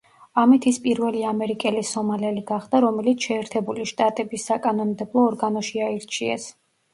ამით ის პირველი ამერიკელი სომალელი გახდა, რომელიც შეერთებული შტატების საკანონმდებლო ორგანოში აირჩიეს.